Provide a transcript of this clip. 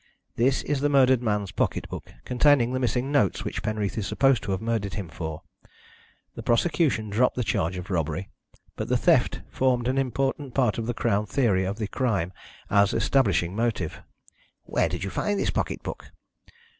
"This is the murdered man's pocket book, containing the missing notes which Penreath is supposed to have murdered him for. The prosecution dropped the charge of robbery, but the theft formed an important part of the Crown theory of the crime, as establishing motive." "Where did you find this pocket book?"